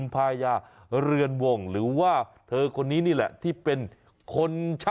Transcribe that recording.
ไปไหนนะ